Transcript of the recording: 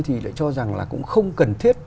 thì lại cho rằng là cũng không cần thiết